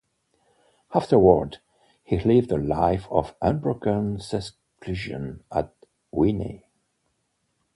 Afterward, he lived a life of unbroken seclusion at Vignay.